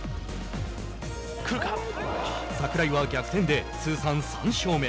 櫻井は逆転で通算３勝目。